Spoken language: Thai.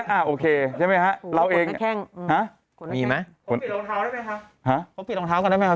อย่างนี่เราต้องปิดรองเท้า